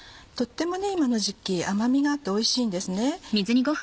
とっても今の時期甘みがあっておいしいんですね。